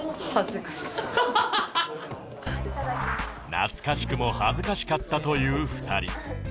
懐かしくも恥ずかしかったという２人